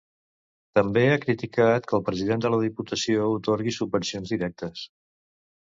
També ha criticat que el president de la Diputació atorgui subvencions directes.